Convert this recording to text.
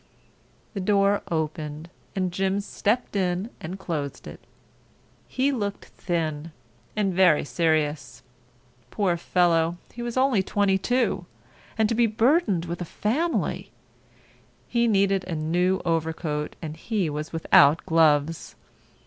The door opened and Jim stepped in and closed it. He looked thin and very serious. Poor fellow, he was only twenty two—and to be burdened with a family! He needed a new overcoat and he was without gloves.